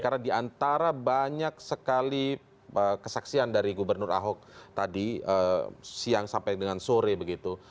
karena di antara banyak sekali kesaksian dari gubernur ahok tadi siang sampai dengan sore begitu